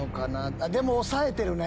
でも抑えてるね。